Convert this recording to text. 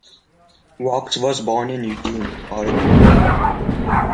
Wachs was born in Eugene, Oregon.